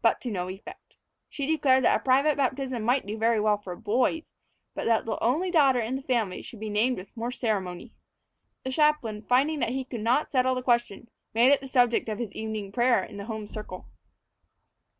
But to no effect. She declared that a private baptism might do very well for boys, but that the only daughter in the family should be named with more ceremony. The chaplain, finding that he could not settle the question, made it the subject of his evening prayer in the home circle.